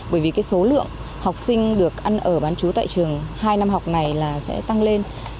bởi vì cái số lượng học sinh được ăn ở bán chú tại trường hai năm học này là sẽ tăng lên